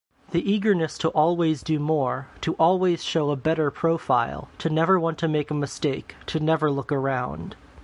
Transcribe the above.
The eagerness to always do more, to always show a better profile, to never want to make a mistake, to never look around.